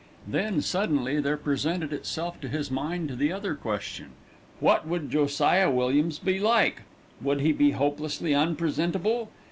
Then suddenly there presented itself to his mind the other question: what would Josiah Williams be like? Would he be hopelessly unpresentable?